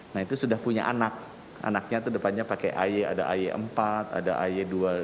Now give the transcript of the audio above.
nah itu sudah punya anak anaknya itu depannya pakai ay ada ay empat ada ay dua lima